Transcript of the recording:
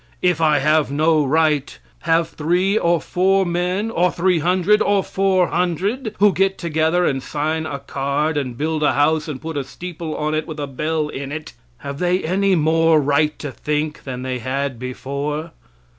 If I have no right, have three or four men or 300 or 400, who get together and sign a card and build a house and put a steeple on it with a bell in it have they any more right to think than they had before?